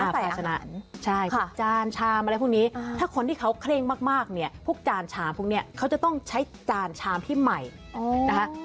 สนุกสนานใช่พวกจานชามอะไรพวกนี้ถ้าคนที่เขาเคร่งมากเนี่ยพวกจานชามพวกนี้เขาจะต้องใช้จานชามที่ใหม่นะคะ